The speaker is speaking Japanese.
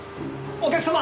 お客様！